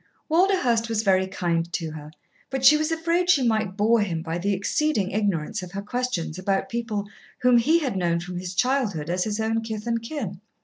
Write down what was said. Walderhurst was very kind to her, but she was afraid she might bore him by the exceeding ignorance of her questions about people whom he had known from his childhood as his own kith and kin.